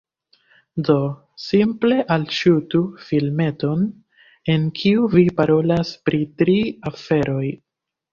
Do, simple alŝutu filmeton en kiu vi parolas pri tri aferoj